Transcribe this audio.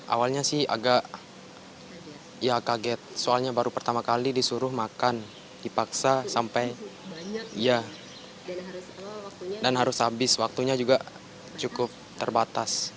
awalnya sih agak ya kaget soalnya baru pertama kali disuruh makan dipaksa sampai ya dan harus habis waktunya juga cukup terbatas